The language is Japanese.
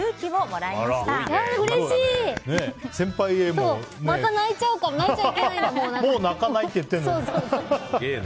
もう泣かないって言ってるのに。